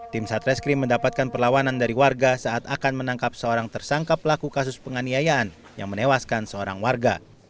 tim satreskrim mendapatkan perlawanan dari warga saat akan menangkap seorang tersangka pelaku kasus penganiayaan yang menewaskan seorang warga